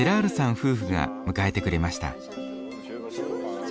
夫婦が迎えてくれました。